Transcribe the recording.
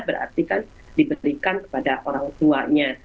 berarti kan diberikan kepada orang tuanya